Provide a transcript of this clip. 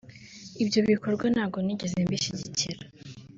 Ibyo bikorwa ntabwo nigeze mbishyigikira